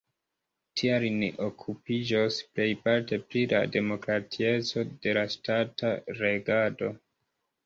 Tial ni okupiĝos plejparte pri la demokratieco de la ŝtata regado.